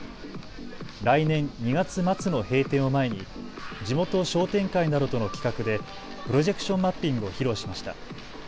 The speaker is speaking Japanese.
来年２月末の閉店を前に地元商店会などとの企画でプロジェクション・マッピングを披露しました。